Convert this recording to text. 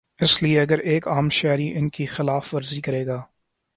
اس لیے اگر ایک عام شہری ان کی خلاف ورزی کرے گا۔